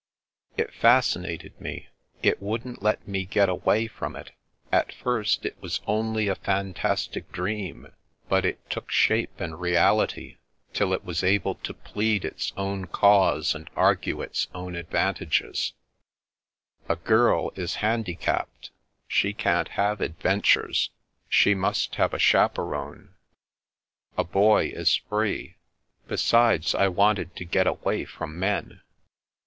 It fascinated me. It wouldn't let me get away from it. At first, it was only a fantastic dream ; but it took shape, and reality, till it was able to plead its own cause and argue its own advantages. A girl is handicapped. She can't have adventures; she must have a chaperon. A boy is free. Besides — I wanted to get away from men.